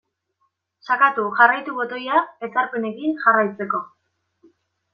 Sakatu jarraitu botoia ezarpenekin jarraitzeko.